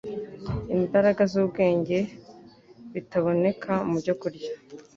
imbaraga z’ubwenge, bitaboneka mu byokurya